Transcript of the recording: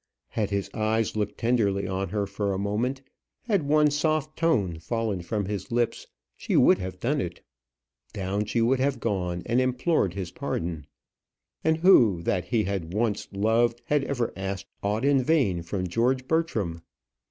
Had his eyes looked tenderly on her for a moment, had one soft tone fallen from his lips, she would have done it. Down she would have gone and implored his pardon. And who that he had once loved had ever asked aught in vain from George Bertram?